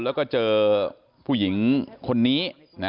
แล้วก็เจอผู้หญิงคนนี้